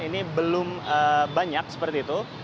ini belum banyak seperti itu